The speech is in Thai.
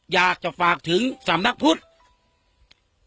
อยากจะฝากถึงสำนักพุทธ